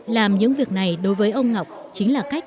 làm những việc này đối với ông ngọc chính là cách